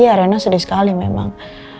iya ranah sedih sekali memang